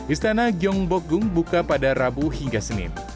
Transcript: istana gyeongbokgung buka pada rabu hingga senin